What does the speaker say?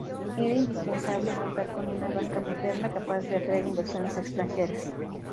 Era indispensable contar con una banca moderna, capaz de atraer inversiones extranjeras.